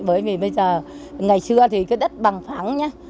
bởi vì bây giờ ngày trưa thì cái đất bằng phẳng nhá